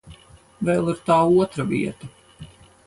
Vēl ir tā otra vieta.